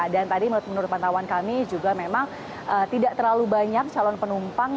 dan tadi menurut pantauan kami juga memang tidak terlalu banyak calon penumpang